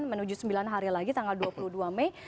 menuju sembilan hari lagi tanggal dua puluh dua mei